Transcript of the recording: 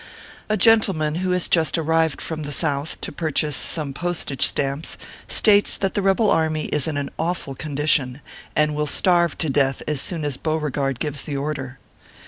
A gentleman who has just arrived from the South to purchase some postage stamps, states that the rebel army is in an awful condition, and will starve to death as soon as Beauregard gives the order.